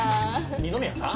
二宮さん？